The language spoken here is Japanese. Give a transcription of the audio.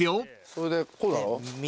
それでこうだろ？